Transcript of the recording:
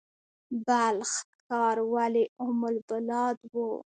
بلخ ښار ولې ام البلاد و؟